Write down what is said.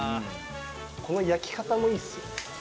この焼き方もいいですよ。